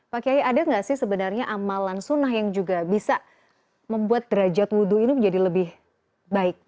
pak kiai ada nggak sih sebenarnya amalan sunnah yang juga bisa membuat derajat wudhu ini menjadi lebih baik